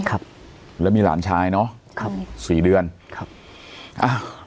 ครับแล้วมีหลานชายเนอะครับสี่เดือนครับอ้าว